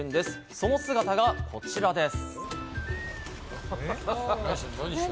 その姿がこちらです。